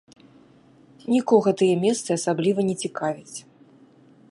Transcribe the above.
Нікога тыя месцы асабліва не цікавяць.